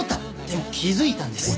でも気づいたんです。